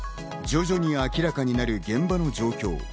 徐々に明らかになる現場の状況。